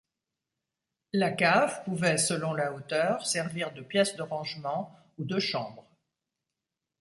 La cave pouvait, selon la hauteur, servir de pièce de rangement ou de chambre.